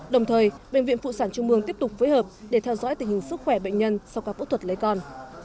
đồng thời bệnh viện phụ sản trung mương tiếp tục phối hợp để theo dõi tình hình sức khỏe bệnh nhân sau ca phẫu thuật lấy con